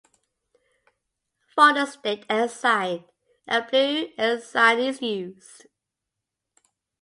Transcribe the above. For the state ensign, a blue ensign is used.